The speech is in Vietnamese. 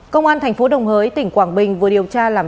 công an tp đồng hới tỉnh quảng bình vừa điều tra làm